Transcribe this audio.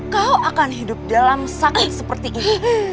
kau akan hidup dalam sakit seperti ini